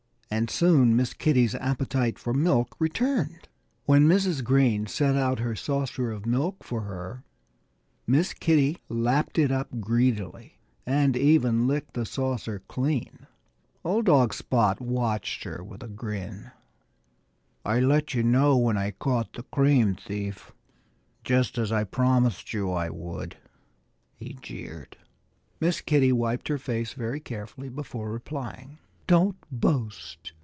And soon Miss Kitty's appetite for milk returned. When Mrs. Green set out her saucer of milk for her Miss Kitty lapped it up greedily and even licked the saucer clean. Old dog Spot watched her with a grin. "I let you know when I caught the cream thief, just as I promised you I would," he jeered. Miss Kitty wiped her face very carefully before replying. "Don't boast!"